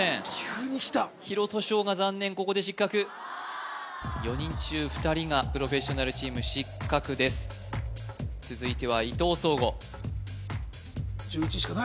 急にきた廣戸晶が残念ここで失格４人中２人がプロフェッショナルチーム失格です続いては伊藤壮吾